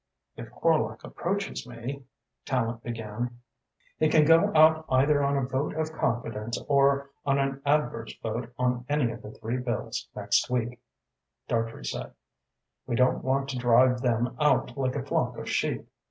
"If Horlock approaches me," Tallente began "He can go out either on a vote of confidence or on an adverse vote on any of the three Bills next week," Dartrey said. "We don't want to drive them out like a flock of sheep.